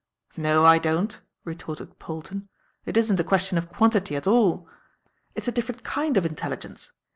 "No, I don't," retorted Polton. "It isn't a question of quantity at all. It's a different kind of intelligence.